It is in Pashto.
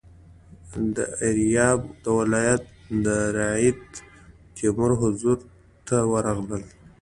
د ایریاب د ولایت رعیت د تیمور حضور ته ورغلل.